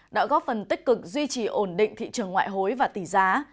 đã góp phần tích cực duy trì ổn định thị trường ngoại hối và tỷ giá